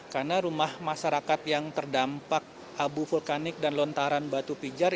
karena rumah masyarakat yang terdampak abu vulkanik dan lontaran batu pijar